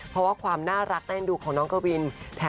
เพราะว่าความน่ารักเต้นดูของน้องกวิน